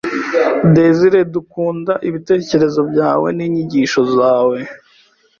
Desire dukunda ibitekerezo byawe ninyigisho zawe